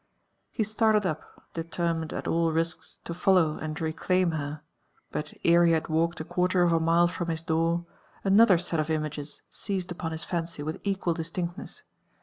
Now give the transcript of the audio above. He started up, determined at all risks to follow and reclaim her; but ere he had walked a quarter of a mile from his door, another set of images seized upon his fancy with equal distinctness.